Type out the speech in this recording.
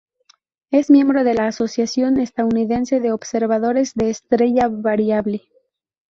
Es miembro de la Asociación Estadounidense de Observadores de Estrella Variable.